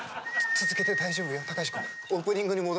続けて大丈夫よ。